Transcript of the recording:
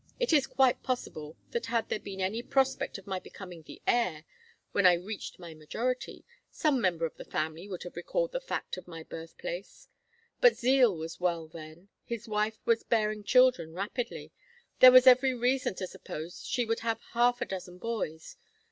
It is quite possible that had there been any prospect of my becoming the heir, when I reached my majority, some member of the family would have recalled the fact of my birthplace; but Zeal was well then, his wife was bearing children rapidly, there was every reason to suppose she would have half a dozen boys.